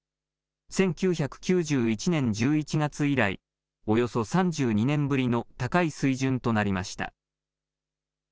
１９９１年１１月以来、およそ３２年ぶりの高い水準となりました。